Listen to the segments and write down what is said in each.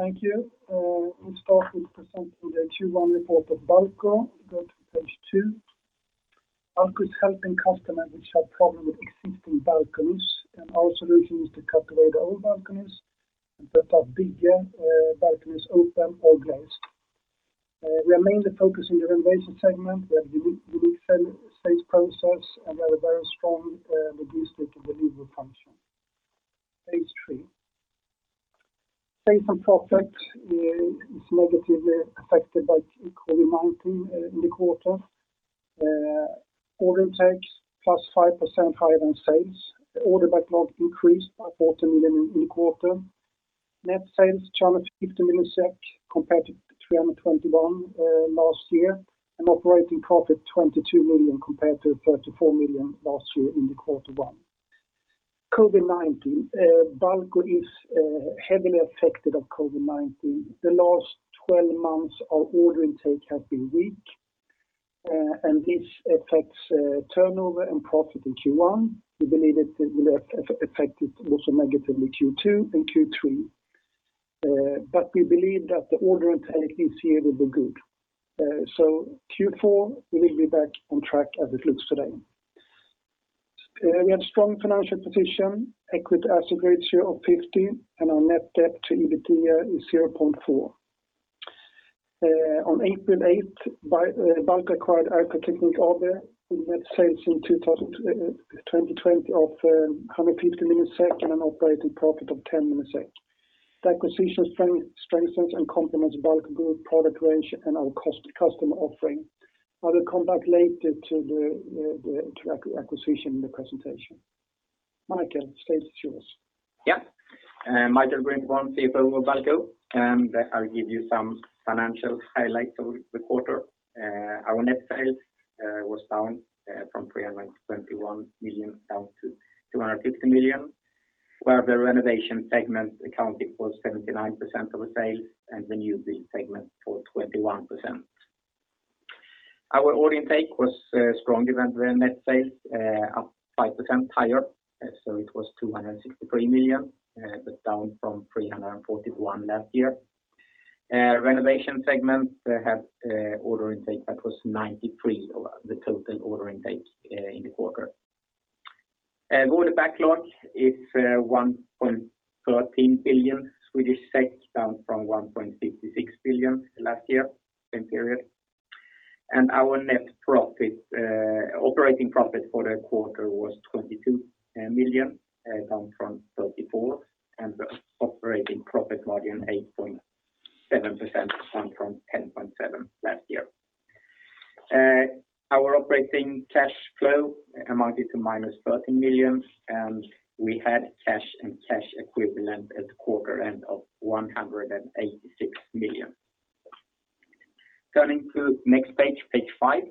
Thank you. We start with presenting the Q1 report of Balco. Go to page two. Balco is helping customers which have problems with existing balconies, and our solution is to calculate all balconies and put up bigger balconies, open or glazed. We are mainly focusing on the renovation segment. We have a unique sales process, and a very strong administrative and delivery function. Page three. Safe and profit is negatively affected by COVID-19 in the quarter. Order intake plus 5% higher than sales. Order backlog increased by 40 million in the quarter. Net sales 250 million SEK compared to 321 last year, and operating profit 22 million compared to 34 million last year in the Q1. COVID-19. Balco is heavily affected of COVID-19. The last 12 months, our order intake has been weak, and this affects turnover and profit in Q1. We believe it will have affected also negatively Q2 and Q3. We believe that the order intake this year will be good. Q4, we will be back on track as it looks today. We have strong financial position, equity asset ratio of 50%, and our net debt to EBITDA is 0.4. On April 8th, Balco acquired RK Teknik AB with net sales in 2020 of 150 million SEK and an operating profit of 10 million SEK. The acquisition strengthens and complements Balco Group's product range and our customer offering. I will come back later to the acquisition in the presentation. Michael, the stage is yours. Yeah. Michael Grindborn, CFO of Balco, and I'll give you some financial highlights of the quarter. Our net sales was down from 321 million down to 250 million, where the renovation segment accounted for 79% of the sales and the new build segment for 21%. Our order intake was strongly within net sales, up 5% higher, so it was 263 million. That's down from 341 million last year. Renovation segment have order intake that was 93% of the total order intake in the quarter. Order backlog is 1.13 billion Swedish SEK, down from 1.66 billion last year, same period. Our operating profit for the quarter was 22 million, down from 34 million, and operating profit margin 8.7%, down from 10.7% last year. Our operating cash flow amounted to -13 million, and we had cash and cash equivalent at quarter end of 186 million. Turning to next page, page five,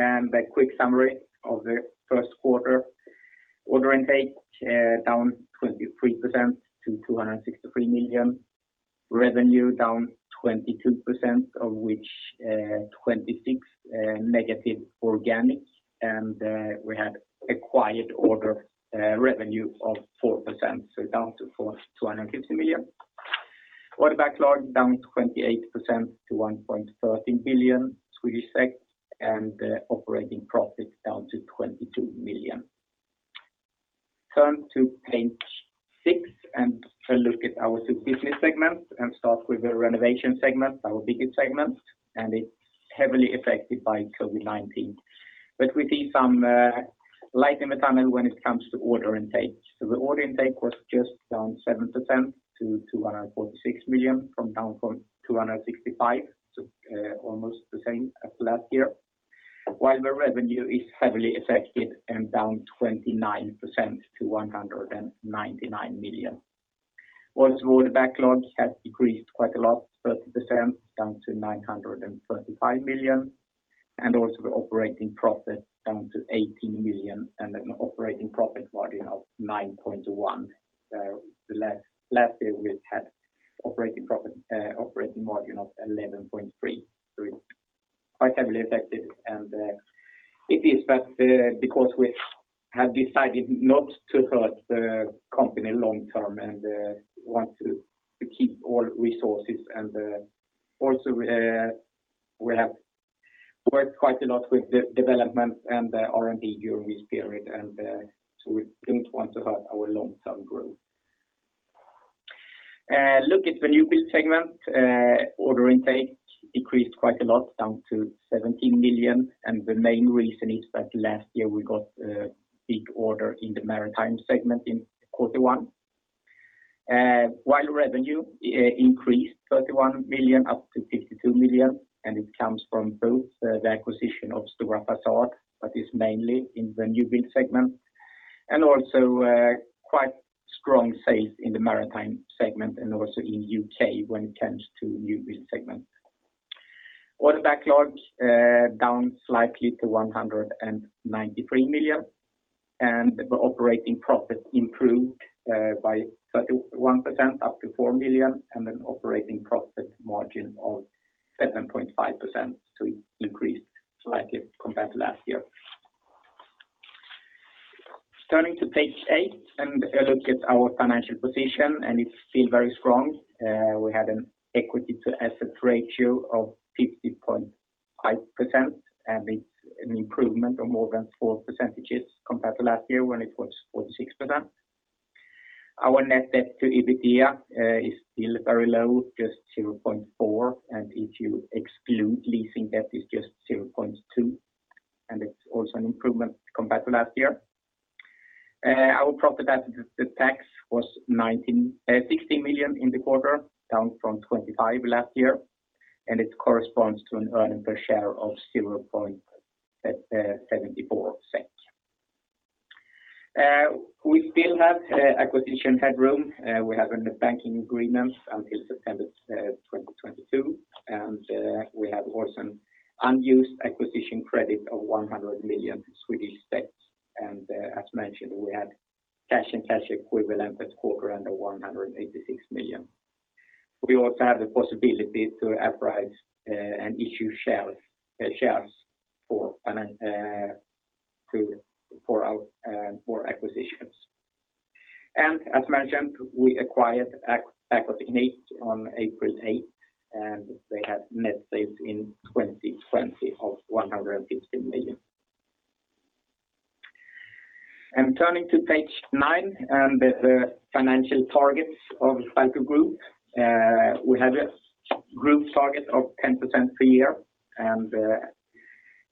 a quick summary of the first quarter. Order intake down 23% to 263 million. Revenue down 22%, of which 26% negative organic, we had acquired order revenue of 4%, down to 250 million. Order backlog down 28% to 1.13 billion Swedish SEK, operating profit down to 22 million. Turn to page six, look at our two business segments, start with the renovation segment, our biggest segment, it is heavily affected by COVID-19. We see some light in the tunnel when it comes to order intake. The order intake was just down 7% to 246 million from 265 million, almost the same as last year. While the revenue is heavily affected, down 29% to 199 million. Order backlog has decreased quite a lot, 30% down to 935 million, and also the operating profit down to 18 million and an operating profit margin of 9.1%. Last year, we had operating margin of 11.3%. Quite heavily affected, it is because we have decided not to cut the company long term and want to keep all resources. Also we have worked quite a lot with the development and the R&D during this period, so we didn't want to hurt our long-term growth. Look at the new build segment. Order intake decreased quite a lot, down to 17 million, the main reason is that last year we got a big order in the maritime segment in quarter one. Revenue increased 31 million up to 52 million, and it comes from both the acquisition of Stora Fasad, but it's mainly in the new build segment, and also quite strong sales in the maritime segment and also in U.K. when it comes to new build segment. Order backlog down slightly to 193 million, and the operating profit improved by 31% up to 4 million and an operating profit margin of 7.5%, so it increased slightly compared to last year. Turning to page eight and a look at our financial position, and it's still very strong. We had an equity to assets ratio of 50.5%, and it's an improvement of more than 4 percentages compared to last year when it was 46%. Our net debt-to-EBITDA is still very low at just 0.4. If you exclude leasing debt, it's just 0.2. It's also an improvement compared to last year. Our profit after the tax was 16 million in the quarter, down from 25 million last year. It corresponds to an earning per share of 0.74. We still have acquisition headroom. We have banking agreements until December 2022. We have also unused acquisition credit of 100 million. As mentioned, we had cash and cash equivalents at quarter-end of 186 million. We also have the possibility to underwrite and issue shares for acquisitions. As mentioned, we acquired RK Teknik on April 8th. They had net sales in 2020 of 150 million. Turning to page nine and the financial targets of Balco Group. We have a group target of 10% per year, and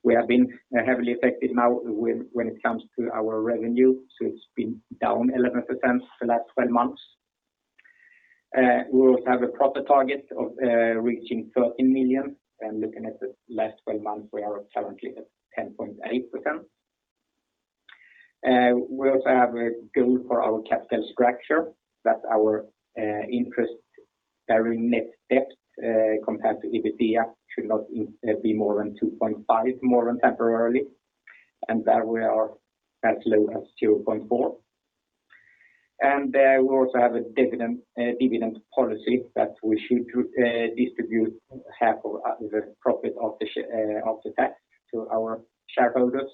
we have been heavily affected now when it comes to our revenue, so it's been down 11% for the last 12 months. We also have a profit target of reaching 30 million. Looking at the last 12 months, we are currently at 10.8%. We also have a goal for our capital structure that our interest, our net debt compared to EBITDA should not be more than 2.5 more than temporarily, and there we are as low as 0.4. We also have a dividend policy that we should distribute half of the profit after tax to our shareholders.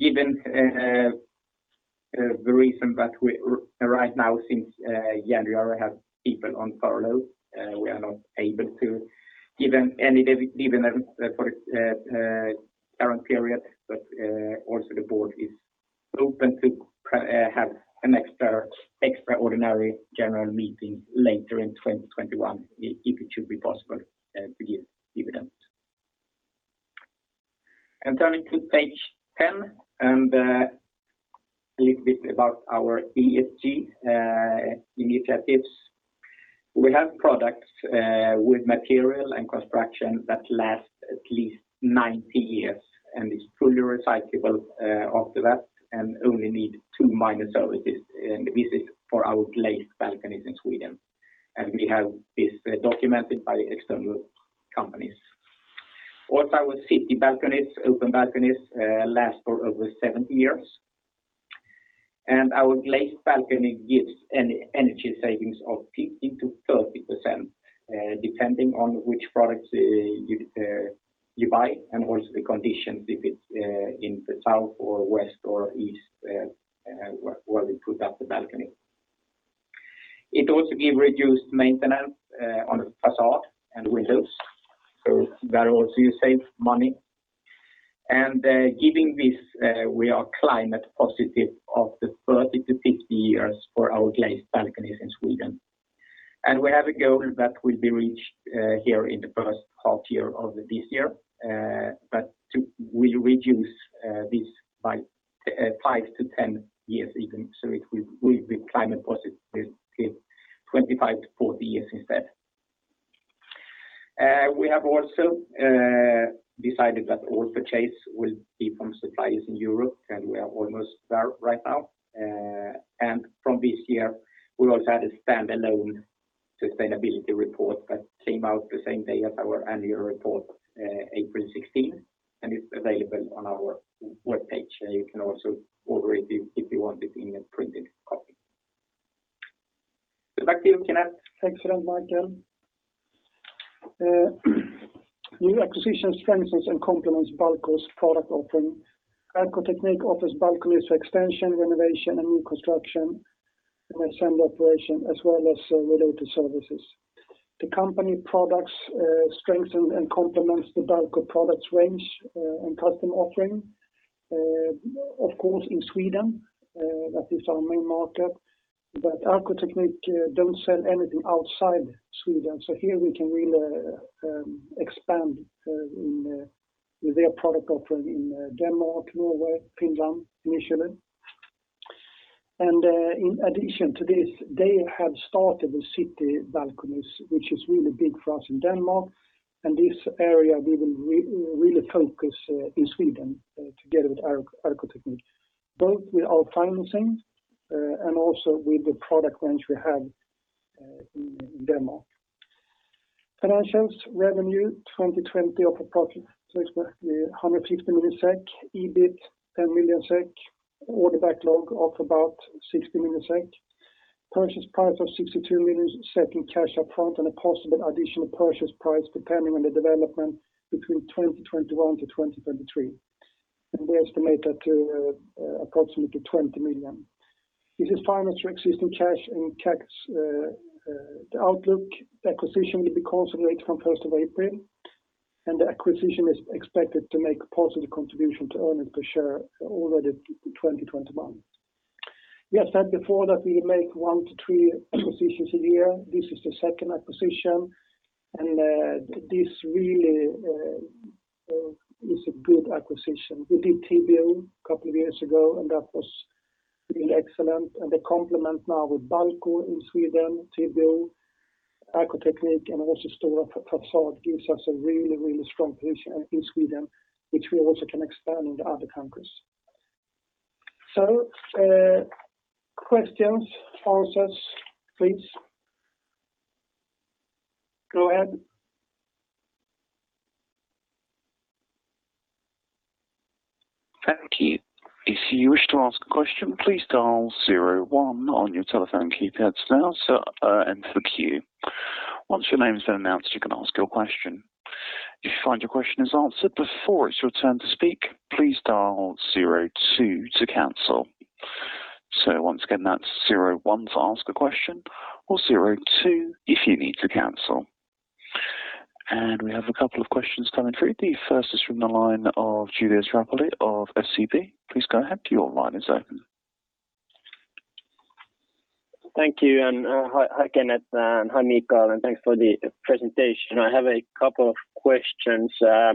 Given the reason that right now since January we have people on furlough, we are not able to give any dividend for the current period. Also the board is open to have an extraordinary general meeting later in 2021 if it should be possible to give dividend. Turning to page 10 and a little bit about our ESG initiatives. We have products with material and construction that last at least 90 years and is fully recyclable after that and only need two minor services and visit for our glazed balconies in Sweden. We have this documented by external companies. Also our City balconies, open balconies last for over 70 years, and our glazed balcony gives an energy savings of 15%-30% depending on which products you buy and also the conditions, if it's in the south or west or east, where we put up the balcony. It also give reduced maintenance on façade and windows, so there also you save money. Given this, we are climate positive after 30-50 years for our glazed balconies in Sweden. We have a goal that will be reached here in the first half year of this year, but we reduce this by 5-10 years even, so it will be climate positive 25-40 years instead. We have also decided that all purchase will be from suppliers in Europe, and we are almost there right now. From this year, we also had a standalone sustainability report that came out the same day as our annual report, April 16th, and it's available on our webpage. You can also order it if you want it in a printed copy. Back to you, Kenneth. Thanks a lot, Michael. New acquisition strengthens and complements Balco's product offering. RK Teknik offers balconies extension, renovation, and new construction, assembly, operation, as well as related services. The company products strengthen and complements the Balco products range and customer offering. Of course, in Sweden, that is our main market. RK Teknik don't sell anything outside Sweden. Here we can really expand with their product offering in Denmark, Norway, Finland, initially. In addition to this, they have started with City balconies, which is really big for us in Denmark. This area we will really focus in Sweden together with RK Teknik, both with our financing and also with the product range we have in Denmark. Financials: revenue 2020 of approximately 150 million SEK, EBIT 10 million SEK, order backlog of about 60 million SEK. Purchase price of 62 million SEK, settled cash upfront and a possible additional purchase price depending on the development between 2021 to 2023. We estimate that to approximately 20 million. This is financed through existing cash and tax the outlook acquisition will be consolidated from 1st of April, and the acquisition is expected to make a positive contribution to earnings per share already 2021. We have said before that we make one to three acquisitions a year. This is the second acquisition, and this really is a good acquisition. We did TBO a couple of years ago, and that was really excellent. The complement now with Balco in Sweden, TBO, RK Teknik, and also Stora Fasad gives us a really strong position in Sweden, which we also can expand in the other countries. Questions, answers, please. Go ahead. Thank you. If you wish to ask a question, please dial zero one on your telephone keypads now to enter queue. Once your name is announced, you can ask your question. If you find your question is answered before it's your turn to speak, please dial zero two to cancel. Once again, that's zero one to ask the question or zero two if you need to cancel. We have a couple of questions coming through. The first is from the line of Julius Rapeli of SEB. Please go ahead. Your line is open. Thank you. Hi, Kenneth. Hi, Michael, and thanks for the presentation. I have a couple of questions. I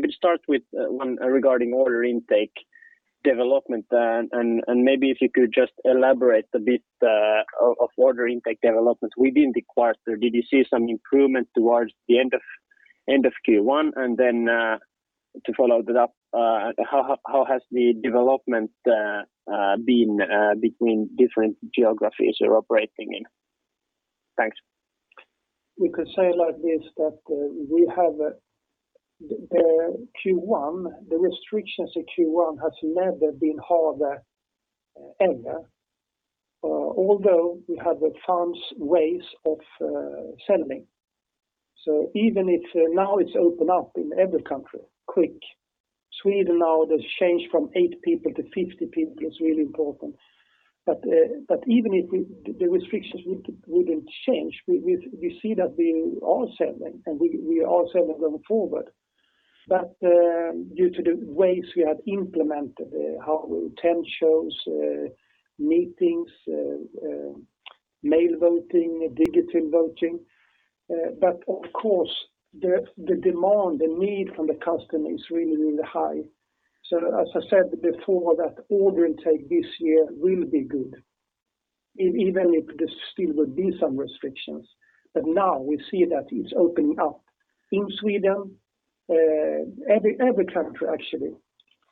could start with one regarding order intake development, and maybe if you could just elaborate a bit of order intake development within the quarter. Did you see some improvement towards the end of Q1? Then, to follow that up, how has the development been between different geographies you're operating in? Thanks. We can say like this, that the Q1, the restrictions of Q1 has never been harder ever. We have advanced ways of selling. Even if now it's open up in every country, quick. Sweden now has changed from eight people to 50 people is really important. Even if the restrictions wouldn't change, we see that we are selling and we are selling well forward, due to the ways we have implemented, how we attend shows, meetings, mail voting, digital voting. Of course, the demand, the need from the customer is really high. As I said before, that order intake this year will be good even if there still will be some restrictions. Now we see that it's opening up in Sweden, every country actually,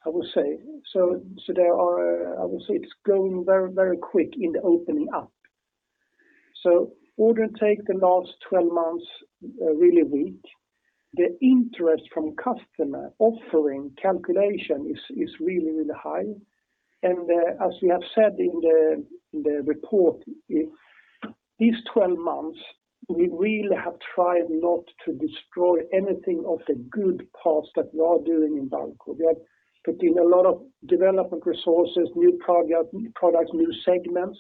I will say. Today, I would say it's going very quick in opening up. Order take the last 12 months, really weak. The interest from customer offering calculation is really high. As we have said in the report, these 12 months, we really have tried not to destroy anything of the good parts that we are doing in Balco. We are putting a lot of development resources, new product, new segments.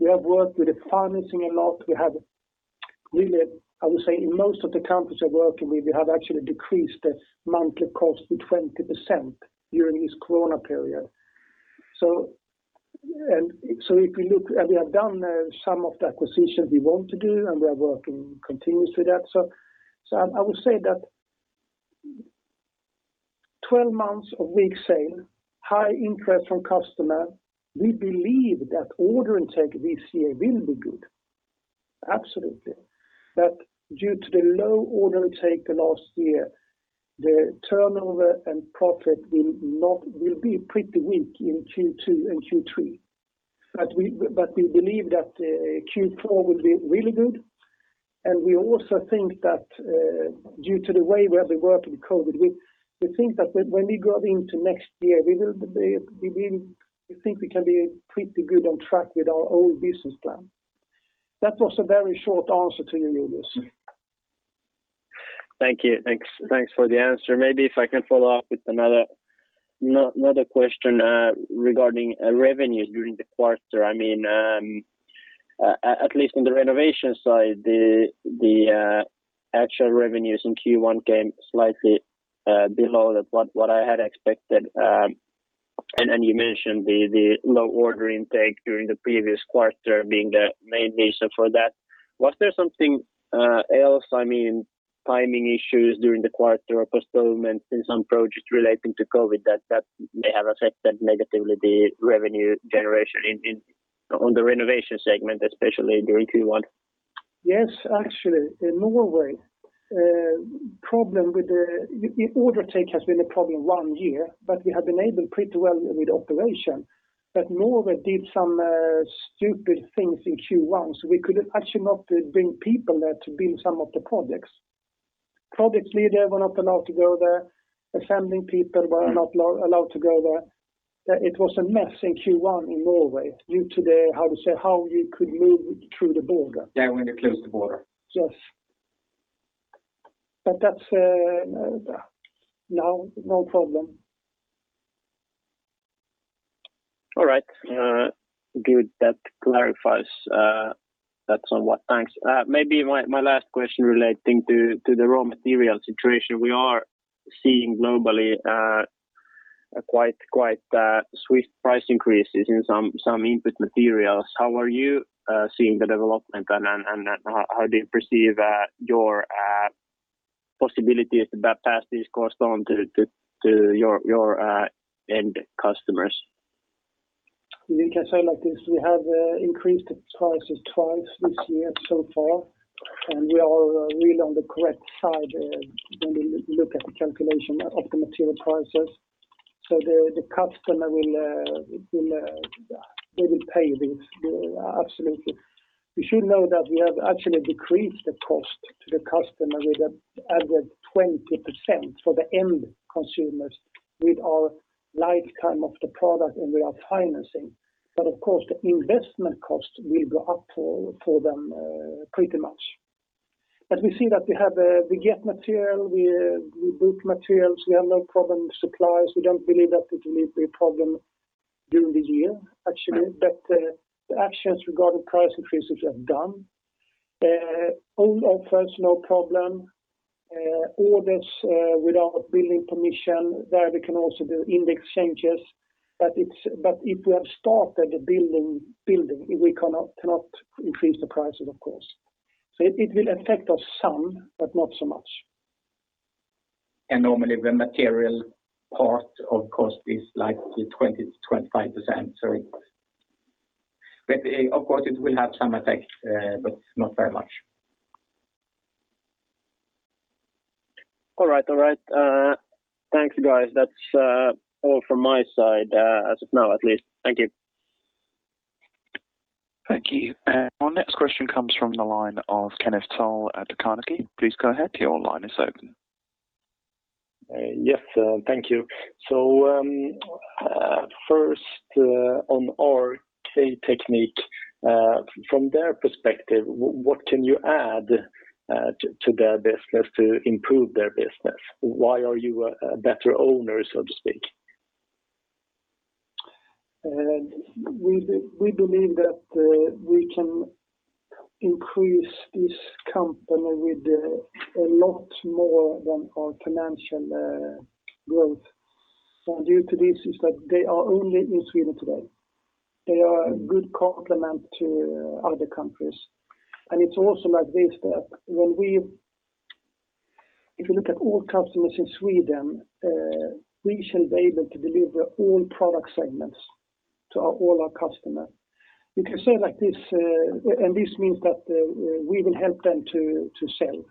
We have worked with the financing a lot. We have really, I would say, in most of the countries we are working with, we have actually decreased the monthly cost with 20% during this COVID period. If you look, and we have done some of the acquisitions we want to do, and we are working continuously with that. I would say that 12 months of weak sale, high interest from customer, we believe that order intake this year will be good. Absolutely. Due to the low order intake last year, the turnover and profit will be pretty weak in Q2 and Q3. We believe that Q4 will be really good, and we also think that due to the way we have worked with COVID-19, we think that when we go into next year, we think we can be pretty good on track with our whole business plan. That was a very short answer to you, Julius. Thank you. Thanks for the answer. Maybe if I can follow up with another question regarding revenues during the quarter. At least on the renovation side, the actual revenues in Q1 came slightly below what I had expected. You mentioned the low order intake during the previous quarter being the main reason for that. Was there something else, timing issues during the quarter or postponement in some projects relating to COVID that may have affected negatively the revenue generation on the renovation segment, especially during Q1? Yes. Actually, in Norway problem with the order take has been a problem one year. We have enabled pretty well with operation. Norway did some stupid things in Q1, so we could actually not bring people there to build some of the projects. Product leader were not allowed to go there. Assembling people were not allowed to go there. It was a mess in Q1 in Norway due to how you could move through the border. Yeah, when they closed the border. Yes. That's now no problem. All right. Good. That clarifies that somewhat. Thanks. Maybe my last question relating to the raw material situation. We are seeing globally quite swift price increases in some input materials. How are you seeing the development, and how do you perceive that your possibility to pass these costs on to your end customers? You can say like this, we have increased the prices twice this year so far. We are really on the correct side when you look at the calculation of the material prices. The customer will really pay this. Absolutely. You should know that we have actually decreased the cost to the customer with an added 20%, so the end consumers with our lifetime of the product and we are financing. Of course, the investment cost will go up for them pretty much. We see that we get material, we book materials, we have no problem with suppliers. We don't believe that it will be a problem during the year, actually. The actions regarding price increases are done. Old offers, no problem. Orders without building permission where we can also do index changes. If we have started the building, we cannot increase the prices, of course. It will affect us some, but not so much. Normally the material part, of course, is like 20% to 25%. Of course, it will have some effect, but not very much. All right. Thank you, guys. That's all from my side, as of now, at least. Thank you. Thank you. Our next question comes from the line of Kenneth Toll at Carnegie. Please go ahead, your line is open. Yes, thank you. First, on RK Teknik, from their perspective, what can you add to their business to improve their business? Why are you a better owner, so to speak? We believe that we can increase this company with a lot more than our financial growth. Due to this is that they are only in Sweden today. They are a good complement to other countries. It's also like this, that if you look at all customers in Sweden, we shall be able to deliver all product segments to all our customers. You can say like this means that we will help them to sell.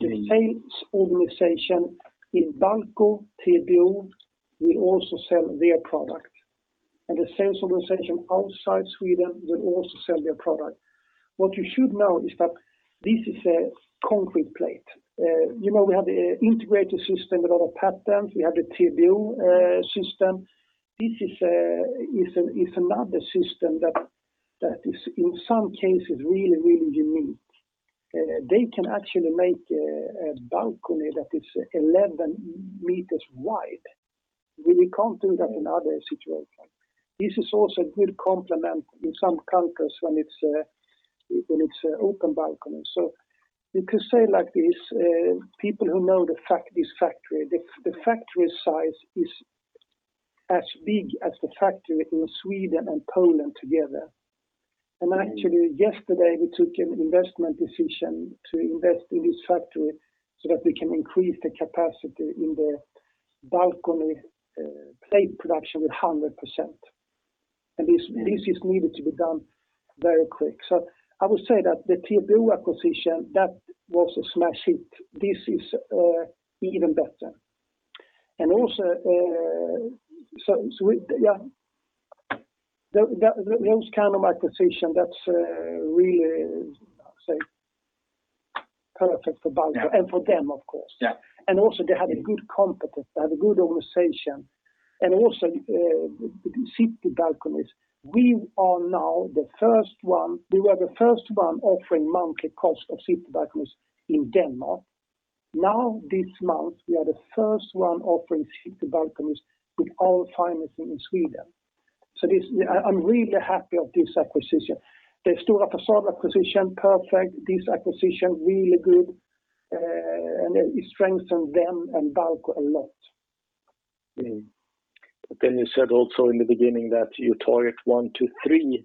The sales organization in Balco, TBO, will also sell their product, and the sales organization outside Sweden will also sell their product. What you should know is that this is a concrete plate. We have the integrated system with all the patents. We have the TBO system. This is another system that is in some cases really unique. They can actually make a balcony that is 11 m wide. We can't do that in other situations. This is also a good complement in some countries when it's an open balcony. You can say like this, people who know this factory, the factory size is as big as the factory in Sweden and Poland together. Actually yesterday we took an investment decision to invest in this factory so that we can increase the capacity in the balcony plate production 100%. This needed to be done very quick. I would say that the TBO acquisition, that was a smash hit. This is even better. Also, so yeah, those kind of acquisition, that's really perfect for BALCO and for them, of course. Yeah. Also they have a good competence, they have a good organization. Also City balconies, we were the first one offering monthly cost of City balconies in Denmark. Now this month, we are the first one offering City balconies with all financing in Sweden. I'm really happy of this acquisition. The Stora Fasad acquisition, perfect. This acquisition, really good. It strengthens them and Balco a lot. You said also in the beginning that you target one to three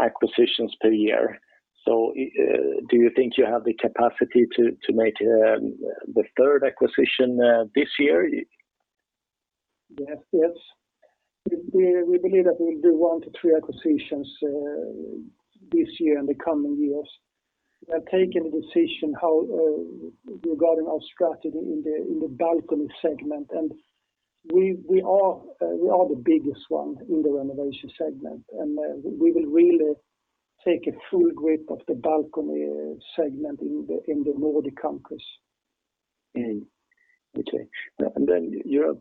acquisitions per year. Do you think you have the capacity to make the third acquisition this year? Yes. We believe that we'll do one to three acquisitions this year, in the coming years. We have taken a decision Regarding our strategy in the balcony segment. We are the biggest one in the renovation segment. We will really take a full grip of the balcony segment in the Nordic countries. Okay. Then you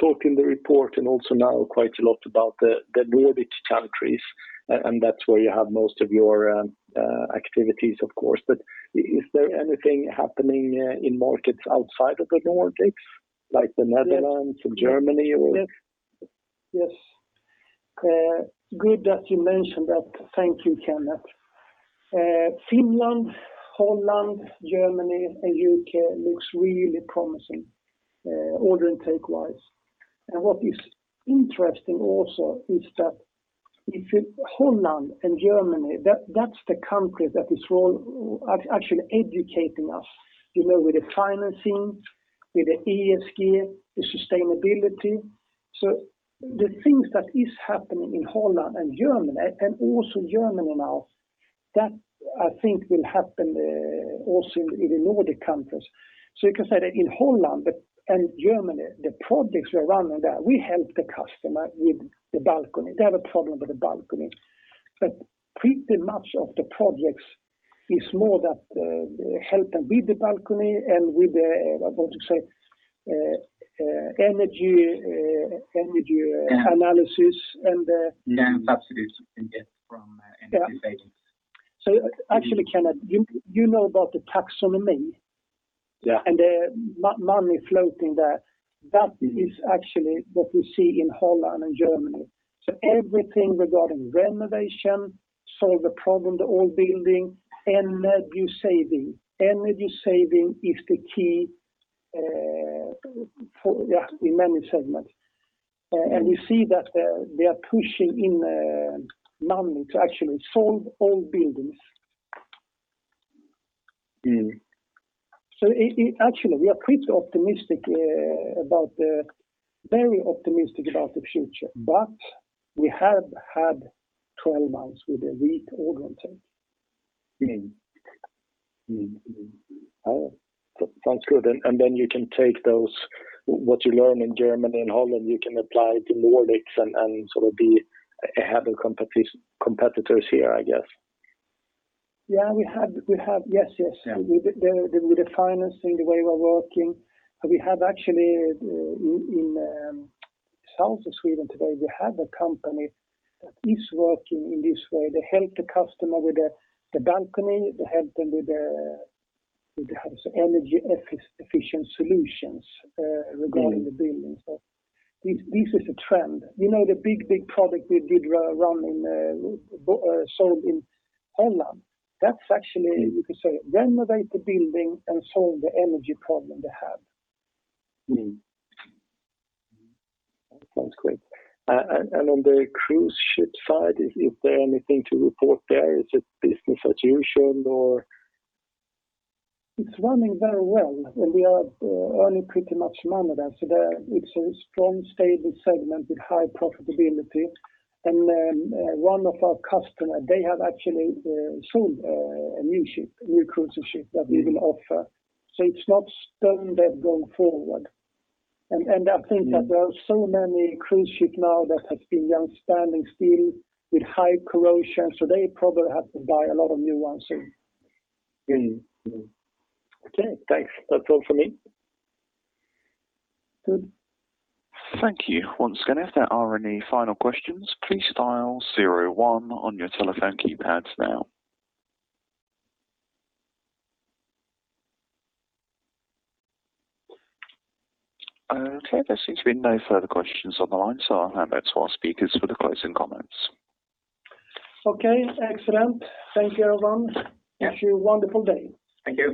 talk in the report and also now quite a lot about the Nordic countries, and that's where you have most of your activities, of course. Is there anything happening in markets outside of the Nordics, like the Netherlands or Germany? Yes. Good that you mentioned that. Thank you, Kenneth. Finland, Holland, Germany, and U.K. looks really promising order intake wise. What is interesting also is that if Holland and Germany, that's the country that is actually educating us, with the financing, with the ESG, the sustainability. The things that is happening in Holland and Germany and also Germany now, that I think will happen also in the Nordic countries. You can say that in Holland and Germany, the projects we run with that, we help the customer with the balcony. They have a problem with the balcony. Pretty much of the projects is more that help them with the balcony and with the, what to say, energy analysis. And then that's the good we can get from energy savings. Yeah. Actually, Kenneth, you know about the tax amendment? Yeah. The money floating there, that is actually what we see in Holland and Germany. Everything regarding renovation, solve the problem, the old building, energy saving. Energy saving is the key in many segments. You see that they are pushing in money to actually solve old buildings. Actually, we are very optimistic about the future, but we have had 12 months with a weak order intake. Mm-hmm. Oh, that's good. Then you can take what you learn in Germany and Holland, you can apply to the Nordics and sort of have competitors here, I guess. Yeah. With the financing, the way we're working. We have actually in the south of Sweden today, we have a company that is working in this way. They help the customer with the balcony. They help them with the energy efficient solutions regarding the buildings. This is a trend. You know the big project we did run and sold in Holland? That's actually, you can say, renovate the building and solve the energy problem they have. That sounds great. On the cruise ship side, is there anything to report there? Is it business as usual or? It's running very well, and we are earning pretty much money there. It's a strong, stable segment with high profitability. One of our customer, they have actually sold a new cruise ship that we will offer. It's not stunted going forward. I think that there are so many cruise ship now that have been standing still with high corrosion, so they probably have to buy a lot of new ones soon. Okay, thanks. That's all for me. Good. Thank you. Once again, if there are any final questions, please dial zero one on your telephone keypads now. Okay. There seem to be no further questions online, so I'll hand back to our speakers for the closing comments. Okay, excellent. Thank you, everyone. Wish you a wonderful day. Thank you.